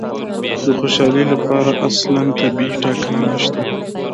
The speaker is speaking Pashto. د خوشالي لپاره اصلاً طبیعي ټاکنه نشته.